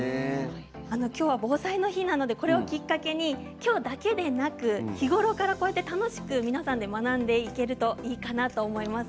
今日は防災の日なのでこれをきっかけに今日だけでなく日頃から楽しく皆さんで学んでいけるといいかなと思います。